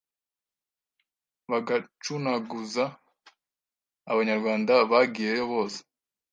bagacunaguza Abanyarwanda bagiyeyo bose